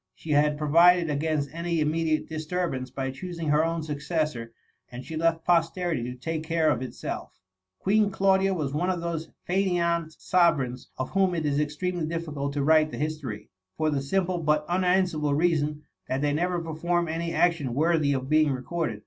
She had provided against any immediate disturbance by choosing her own successor, and she left posterity to take care of itself. Queen Claudia was one of those faineant sovereigns of whom it is extremely difficult to write the history, for the simple but unan swerable reason^ that they never perform any action worthy of being recorded.